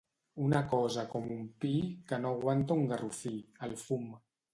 Una cosa com un pi, que no aguanta un garrofí: el fum.